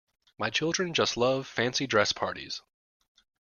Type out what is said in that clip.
My children just love fancy dress parties